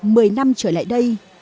mười năm trở lại đây